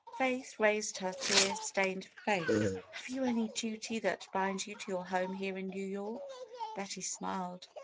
Faith raised her tear stained face. "Have you any duty that binds you to your home here in New York?" Betty smiled.